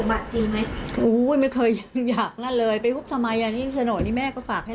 เอิสเตอร์ที่เขาบอกว่าเราอ่ะพยายามที่จะฮุบสมบัติเนี่ย